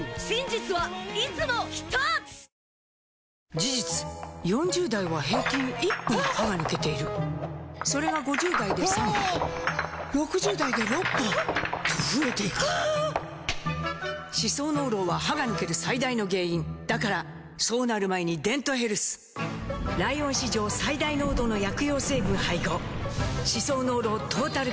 事実４０代は平均１本歯が抜けているそれが５０代で３本６０代で６本と増えていく歯槽膿漏は歯が抜ける最大の原因だからそうなる前に「デントヘルス」ライオン史上最大濃度の薬用成分配合歯槽膿漏トータルケア！